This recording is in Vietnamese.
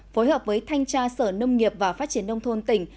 phối hợp với thanh tra sở nông nghiệp và phát triển nông thôn tỉnh